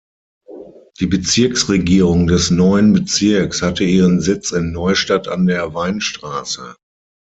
Die Bezirksregierung des neuen Bezirks hatte ihren Sitz in Neustadt an der Weinstraße.